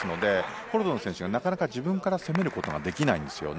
コルドン選手がなかなか自分から攻めることができないんですよね。